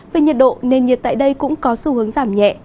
về nhiệt độ nền nhiệt tại đây cũng có xu hướng giảm nhẹ